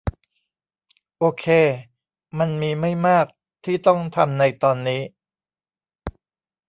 โอเค มันมีไม่มากที่ต้องทำในตอนนี้